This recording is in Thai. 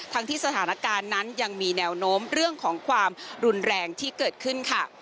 ที่สถานการณ์นั้นยังมีแนวโน้มเรื่องของความรุนแรงที่เกิดขึ้นค่ะ